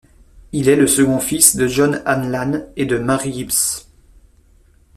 Il est le second fils de John Hanlan et de Mary Gibbs.